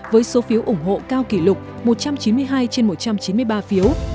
với số phiếu ủng hộ cao kỷ lục một trăm chín mươi hai trên một trăm chín mươi ba phiếu